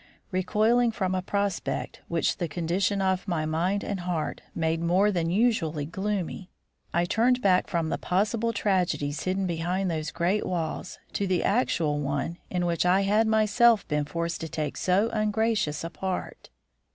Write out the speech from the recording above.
Recoiling from a prospect which the condition of my mind and heart made more than usually gloomy, I turned back from the possible tragedies hidden behind those great walls to the actual one in which I had myself been forced to take so ungracious a part.